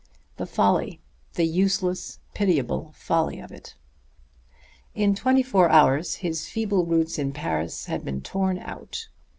The folly, the useless, pitiable folly of it! In twenty four hours his feeble roots in Paris had been torn out.